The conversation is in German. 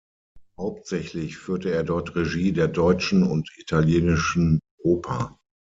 Hauptsächlich führte er dort Regie der Deutschen und Italienischen Oper.